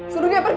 suruh dia pergi